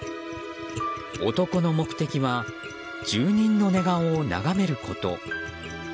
男の目的は住人の寝顔を眺めること。